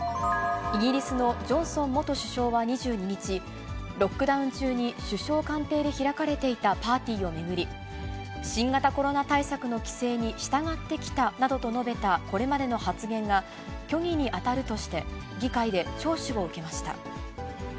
イギリスのジョンソン元首相は２２日、ロックダウン中に首相官邸で開かれていたパーティーを巡り、新型コロナ対策の規制に従ってきたなどと述べたこれまでの発言が虚偽に当たるとして、議会で聴取を受けました。